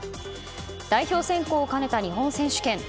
代表選考を兼ねた日本選手権。